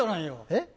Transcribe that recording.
えっ？